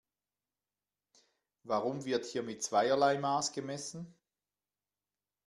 Warum wird hier mit zweierlei Maß gemessen?